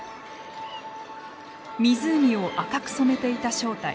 湖を赤く染めていた正体。